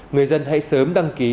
người dân hãy sớm đăng ký